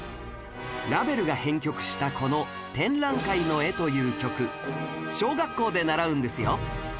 ラヴェルが編曲したこの『展覧会の絵』という曲小学校で習うんですよ